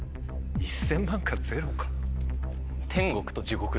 １０００万か０か。